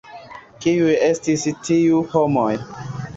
Kiuj estis tiu homoj?